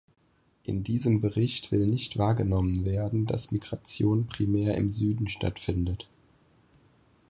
In diesem Bericht will nicht wahrgenommen werden, dass Migration primär im Süden stattfindet.